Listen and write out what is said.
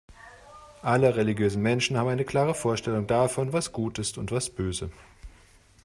Alle religiösen Menschen haben eine klare Vorstellung davon, was gut ist und was böse.